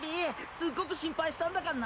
すっごく心配したんだかんな！